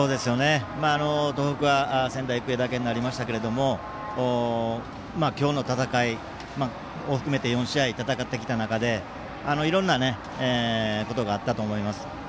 東北は仙台育英だけになりましたけど今日の戦いを含めて４試合、戦ってきた中でいろんなことがあったと思います。